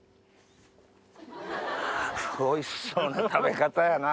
おいしそうな食べ方やな。